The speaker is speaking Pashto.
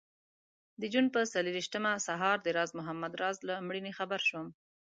د جون پر څلرویشتمه سهار د راز محمد راز له مړینې خبر شوم.